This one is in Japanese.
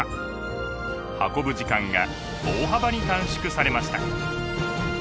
運ぶ時間が大幅に短縮されました。